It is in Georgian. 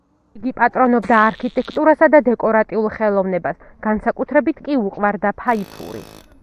იგი პატრონობდა არქიტექტურასა და დეკორატიულ ხელოვნებას, განსაკუთრებით კი უყვარდა ფაიფური.